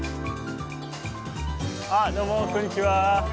あどうもこんにちは。